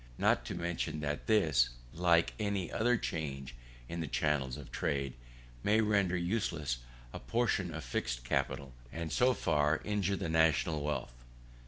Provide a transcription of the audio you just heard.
Not to mention that this, like any other change in the channels of trade, may render useless a portion of fixed capital, and so far injure the national wealth.